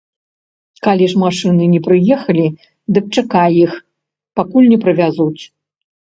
Калі ж машыны не прыехалі, дык чакай іх, пакуль не прывязуць.